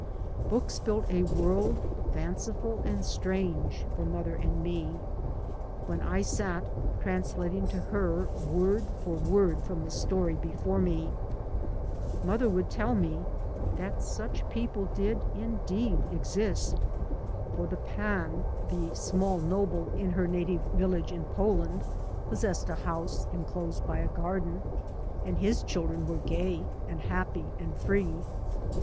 Books built a world, fanciful and strange, for mother and me, when I sat, translating to her word for word from the story before me. Mother would tell me that such people did indeed exist, for the Pan, the small noble 3 by Google MY MOTHER AND I in her native village in Poland, possessed a house enclosed by a garden and his children were gay and happy and free.